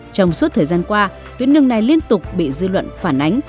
trong suốt thời gian qua tuyến đường này liên tục bị dư luận phản ánh